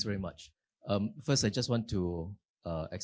pertama saya ingin mengucapkan